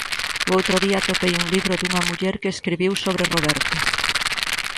O outro día atopei un libro dunha muller que escribiu sobre Roberto.